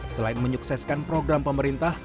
selain menyukseskan program pemerintah